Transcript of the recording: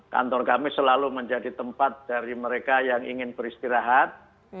kantor kami selalu menjadi tempat dari mereka yang ingin beristirahat